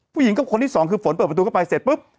ผู้หญิงกับคนที่สองคือฝนเปิดประตูเข้าไปเสร็จปุ๊บ